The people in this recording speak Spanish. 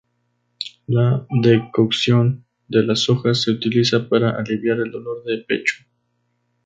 La decocción de las hojas se utiliza para aliviar el dolor de pecho.